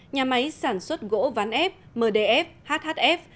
nhà máy sản xuất gỗ ván ép mdf hhf